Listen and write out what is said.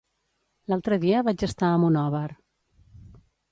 L'altre dia vaig estar a Monòver.